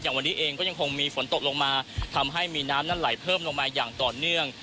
วันนี้เองก็ยังคงมีฝนตกลงมาทำให้มีน้ำนั้นไหลเพิ่มลงมาอย่างต่อเนื่อง